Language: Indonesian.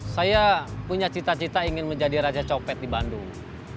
saya punya cita cita ingin menjadi raja copet di bandung